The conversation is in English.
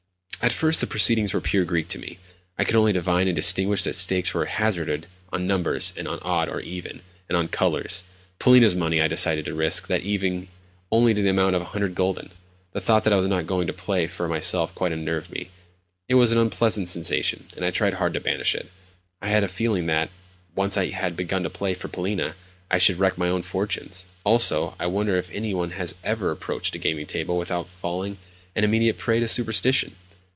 At first the proceedings were pure Greek to me. I could only divine and distinguish that stakes were hazarded on numbers, on "odd" or "even," and on colours. Polina's money I decided to risk, that evening, only to the amount of 100 gülden. The thought that I was not going to play for myself quite unnerved me. It was an unpleasant sensation, and I tried hard to banish it. I had a feeling that, once I had begun to play for Polina, I should wreck my own fortunes. Also, I wonder if any one has ever approached a gaming table without falling an immediate prey to superstition?